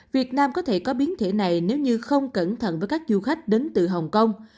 việt nam có thể có biến thể này nếu như không cẩn thận với các du khách đến từ hồng kông